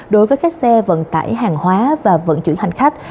đối với các xe vận tải hàng hóa và vận chuyển hành khách